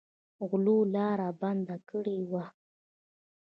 غلو لاره بنده کړې وه.